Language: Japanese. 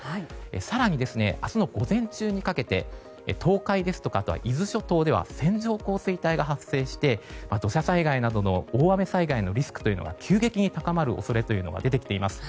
更に、明日の午前中にかけて東海ですとか、伊豆諸島では線状降水帯が発生して土砂災害などの大雨災害のリスクが急激に高まる恐れが出てきています。